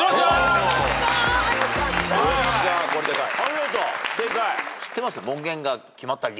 お見事正解。